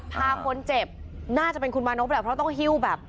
พาคนเจ็บน่าจะเป็นคุณมานพแหละเพราะต้องหิ้วแบบ